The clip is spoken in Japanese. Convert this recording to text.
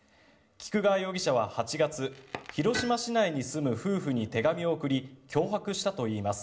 菊川容疑者は８月広島市内に住む夫婦に手紙を送り脅迫したといいます。